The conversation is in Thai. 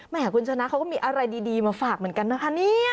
คุณชนะเขาก็มีอะไรดีมาฝากเหมือนกันนะคะเนี่ย